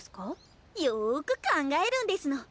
よく考えるんですの。